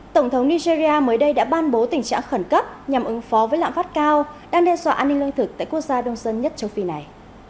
tổng thống nigeria mới đây đã ban bố tình trạng khẩn cấp nhằm ứng phó với lãng phát cao đang đe dọa an ninh lương thực tại quốc gia đông dân nhất châu phi này